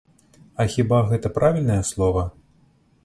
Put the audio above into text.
А хіба гэта правільнае слова?